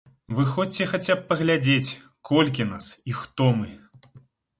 Выходзьце хаця б паглядзець, колькі нас і хто мы!